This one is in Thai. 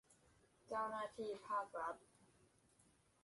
เจ้าหน้าที่ภาครัฐ